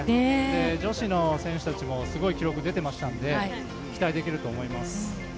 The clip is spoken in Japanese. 女子の選手たちもすごい記録が出てましたので、期待できると思います。